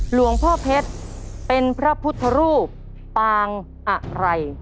หลวงพ่อเพชรเป็นพระพุทธรูปปางอะไร